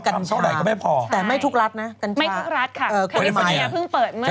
ทำเท่าไหร่ก็ไม่พอแต่ไม่ทุกรัฐนะทั้งคืออันคาทรมรายกอง